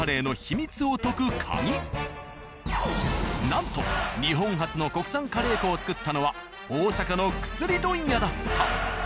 なんと日本初の国産カレー粉を作ったのは大阪の薬問屋だった。